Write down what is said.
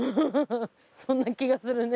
そんな気がするね。